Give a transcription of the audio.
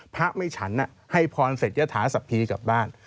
พระไม่ฉันให้พรเสร็จยะถาสัพพีกลับบ้าน